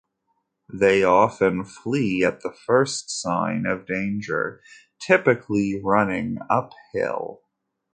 They often flee at the first sign of danger, typically running uphill.